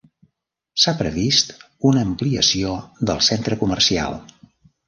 S'ha previst una ampliació del centre comercial.